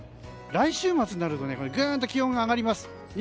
来週末になるとぐんと気温が上がります。